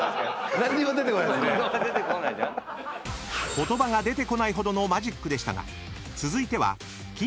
［言葉が出てこないほどのマジックでしたが］